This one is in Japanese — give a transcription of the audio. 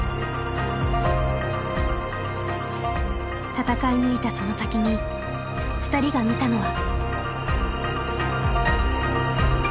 戦い抜いたその先にふたりが見たのは。